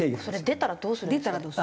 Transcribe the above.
それ出たらどうするんです？